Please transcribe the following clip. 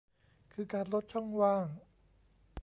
คือการลดช่องว่าง